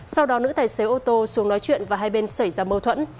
sau đó nữ tài xế ô tô xuống nói chuyện và hai bên xảy ra mâu thuẫn